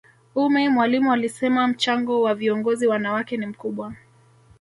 ummy mwalimu alisema mchango wa viongozi wanawake ni mkubwa